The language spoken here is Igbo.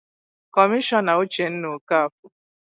Kọmishọna Uchenna Okafor